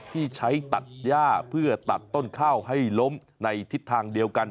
ที่ใช้ตัดย่าเพื่อตัดต้นข้าวให้ล้มในทิศทางเดียวกัน